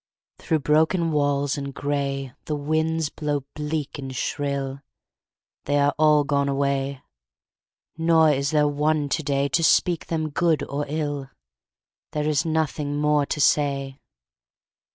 Through broken walls and gray The winds blow bleak and shrill: They are all gone away. Nor is there one today To speak them good or ill: There is nothing more to say.